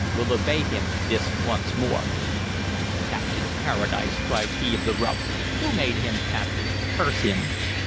We'll obey him this once more'" "Captain Paradise!" cried he of the ruff. "Who made him captain? curse him!"